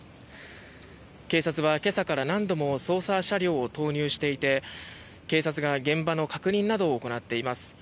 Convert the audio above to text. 警察は今朝から何度も捜査車両を投入していて警察が現場の確認などを行っています。